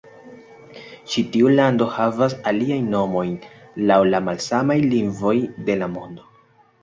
Ĉi tiu lando havas aliajn nomojn laŭ la malsamaj lingvoj de la mondo.